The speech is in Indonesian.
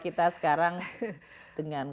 kita sekarang dengan